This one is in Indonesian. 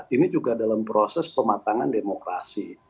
ini juga dalam proses pematangan demokrasi